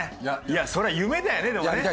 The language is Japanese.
いやそれは夢だよねでもね。